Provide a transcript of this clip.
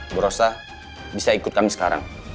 ibu rosa bisa ikut kami sekarang